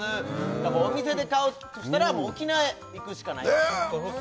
やっぱお店で買うとしたら沖縄へ行くしかないあっ